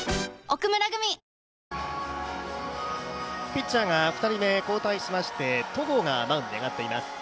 ピッチャーが２人目交代しまして、戸郷がマウンドに上がっています。